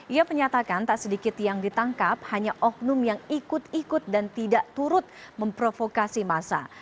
ia menyatakan tak sedikit yang ditangkap hanya oknum yang ikut ikut dan tidak turut memprovokasi massa